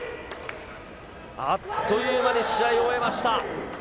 あっという間に試合を終えました。